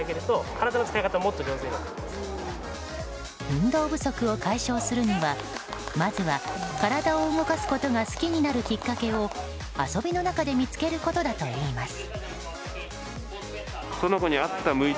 運動不足を解消するにはまずは体を動かすことが好きになるきっかけを遊びの中で見つけることだといいます。